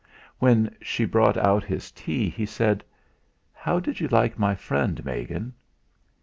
When she brought out his tea, he said: "How did you like my friend, Megan?"